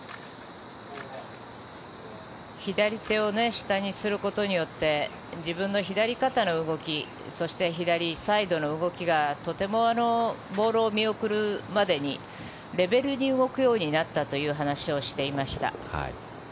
左手を下にすることによって自分の左肩の動きそして、左サイドの動きがとてもボールを見送るまでにレベルに動くようになったと話していました。